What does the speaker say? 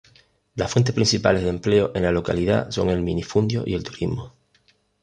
Las fuentes principales de empleo en la localidad son el minifundio y el turismo.